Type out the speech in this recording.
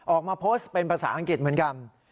ออกมาโพสต์เป็นภาษาอังกฤษเหมือนกัน